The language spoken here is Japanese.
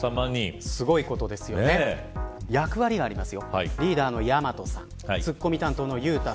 役割があります。